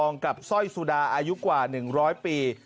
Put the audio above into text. กับสร้อยสุดาอายุกว่า๑๐๐ปี